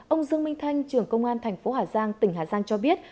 ông dương minh thanh trưởng công an tp hà giang tỉnh hà giang cho biết